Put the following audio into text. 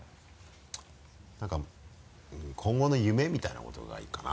何か今後の夢みたいなことがいいかな。